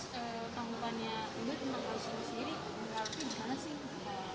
terus tanggung jawabannya ibu tentang hal hal sendiri bagaimana sih